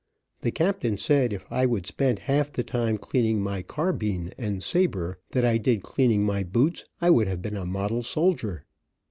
The captain said if I would spend half the time cleaning my carbine and saber that I did cleaning my boots, I would have been a model soldier.